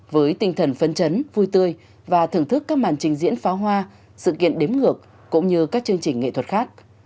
với tinh thần phấn chấn vui tươi và thưởng thức các màn trình diễn pháo hoa sự kiện đếm ngược cũng như các chương trình nghệ thuật khác